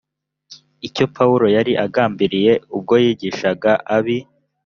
icyo pawulo yari agambiriye ubwo yigishaga ab i